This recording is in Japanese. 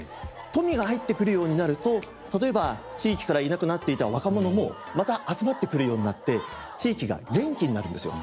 富が入ってくるようになると例えば地域からいなくなっていた若者もまた集まってくるようになって地域が元気になるんですよ。